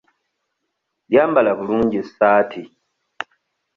Yambala bulungi essaati.